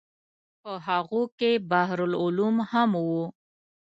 په هغو کې بحر العلوم هم و.